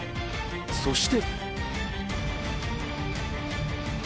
そして。